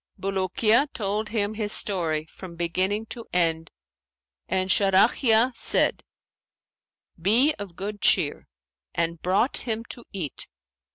Bulukiya told him his story from beginning to end and Sharahiya said, 'Be of good cheer,' and brought him to eat.